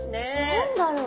何だろう？